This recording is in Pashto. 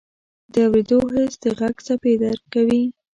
د اورېدو حس د غږ څپې درک کوي.